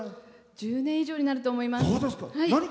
１０年以上になると思います。